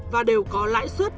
và đều có lãi suất